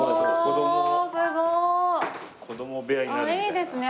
いいですね。